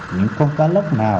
những con cá lấp nào